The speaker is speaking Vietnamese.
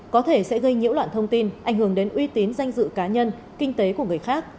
có thể sẽ gây nhiễu loạn thông tin ảnh hưởng đến uy tín danh dự cá nhân kinh tế của người khác